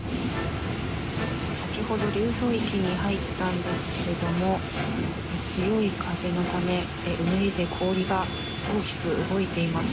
先ほど流氷域に入ったんですけれども強い風のため、うねりで氷が大きく動いています。